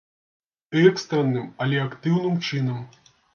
Экстранным, але актыўным чынам.